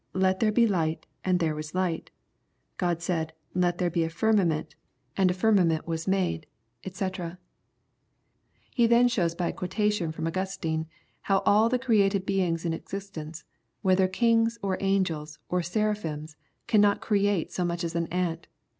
Let there be light, and there was ligl t' 'God said, Let there be a firmament^ and a firmament i^as LUKE, CHAP. Yn. 207 made/' &c. He ihen shows by a quotation from Augustine, how all the created beings in existence, whether kings, or angels, or seraphims. cannot create so much as an ant.